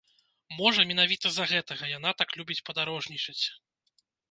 Можа, менавіта з-за гэтага яна так любіць падарожнічаць.